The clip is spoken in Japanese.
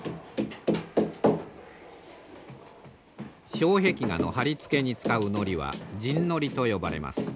障壁画の貼り付けに使う糊は沈糊と呼ばれます。